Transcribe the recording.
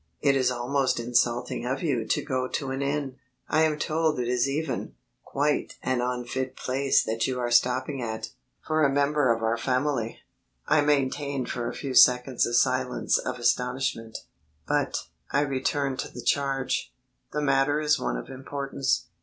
It is almost insulting of you to go to an inn. I am told it is even ... quite an unfit place that you are stopping at for a member of our family." I maintained for a few seconds a silence of astonishment. "But," I returned to the charge, "the matter is one of importance.